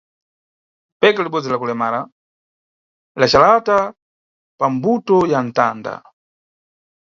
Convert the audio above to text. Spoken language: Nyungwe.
Bheke libodzi lakulemera la jalata pa mbuto ya mtanda.